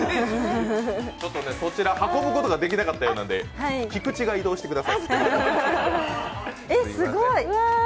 こちら運ぶことができなかったようなんで、菊地が移動してください